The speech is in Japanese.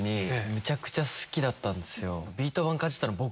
めちゃくちゃ好きだったんですよ。